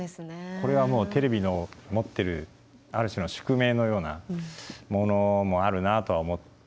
これはもうテレビの持ってるある種の宿命のようなものもあるなとは思ってるんですよね。